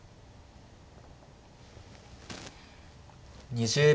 ２０秒。